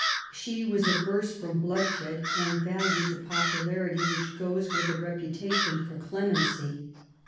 She was averse from bloodshed, and valued the popularity which goes with a reputation for clemency.